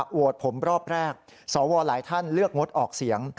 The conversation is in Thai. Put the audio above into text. โหวตผมรอบแรกสวหลายท่านเลือกงดออกเสียง